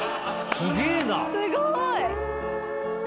すごい。